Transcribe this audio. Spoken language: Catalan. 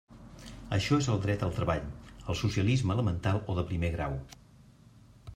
Això és el dret al treball, el socialisme elemental o de primer grau.